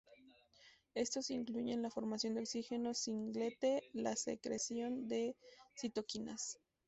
Estos incluyen la formación de oxígeno singlete, la secreción de citoquinas.